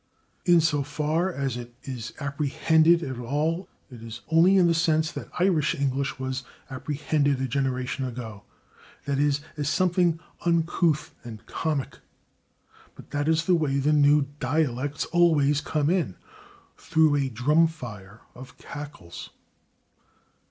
In so far as it is apprehended at all it is only in the sense that Irish English was apprehended a generation ago that is, as something [Pg321] uncouth and comic. But that is the way that new dialects always come in through a drum fire of cackles.